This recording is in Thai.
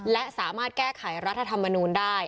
และสามารถแก้ไขรัฐธรรมนูลได้